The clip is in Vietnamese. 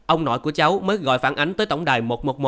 ông nội của cháu mới gọi phản ánh tới tổng đài một trăm một mươi một